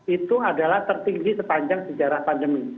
itu adalah tertinggi sepanjang sejarah pandemi